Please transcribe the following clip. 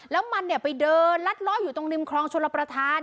แล้วมันไปเดินลัดล้ออยู่ตรงริมคลองชลประธาน